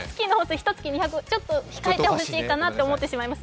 ひと月２００ちょっと控えてほしいかなと思います。